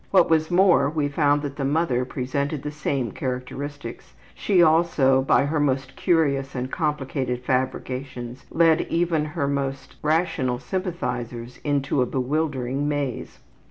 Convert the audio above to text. What was more, we found that the mother presented the same characteristics. She also, by her most curious and complicated fabrications, led even her most rational sympathizers into a bewildering maze.